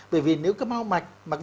bởi vì nếu các máu mạch